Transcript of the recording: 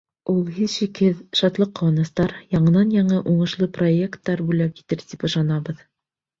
Ул, һис шикһеҙ, шатлыҡ-ҡыуаныстар, яңынан-яңы уңышлы проекттар бүләк итер тип ышанабыҙ.